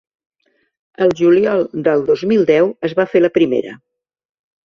El juliol del dos mil deu es va fer la primera.